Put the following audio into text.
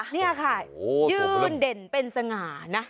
นี่ค่ะยืดรุ่นเด่นเป็นสง่านะ